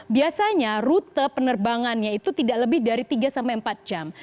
biasanya rute penerbangannya itu tidak lebih dari tiga sampai empat jam